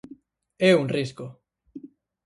É un risco.